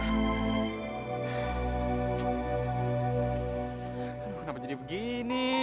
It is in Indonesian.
aduh kenapa jadi begini